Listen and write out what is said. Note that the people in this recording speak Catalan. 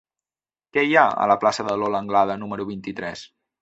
Què hi ha a la plaça de Lola Anglada número vint-i-tres?